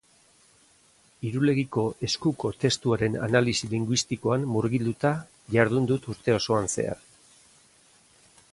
Irulegiko Eskuko testuaren analisi linguistikoan murgilduta jardun dut urte osoan zehar.